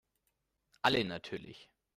Alle natürlich.